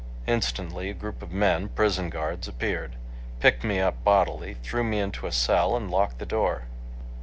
Instantly a group of men, prison guards, appeared; picked me up bodily, threw me into a cell and locked the door.